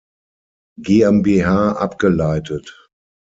GmbH" abgeleitet.